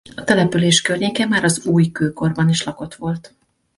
A település környéke már az újkőkorban is lakott volt.